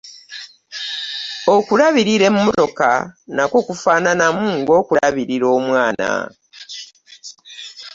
okulabirira emmotoka nakwo kufaananamu ng'okulabirira omwana.